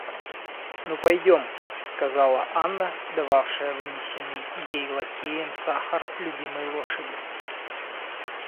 Ну, пойдем, — сказала Анна, дававшая вынесенный ей лакеем сахар любимой лошади.